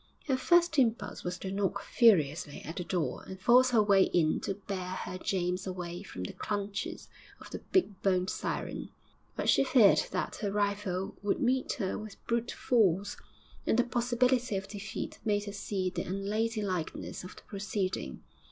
Her first impulse was to knock furiously at the door and force her way in to bear her James away from the clutches of the big boned siren. But she feared that her rival would meet her with brute force, and the possibility of defeat made her see the unladylikeness of the proceeding.